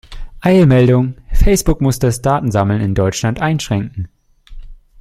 Eilmeldung! Facebook muss das Datensammeln in Deutschland einschränken.